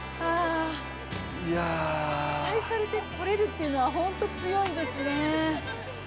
期待されて取れるっていうのはホント強いですね。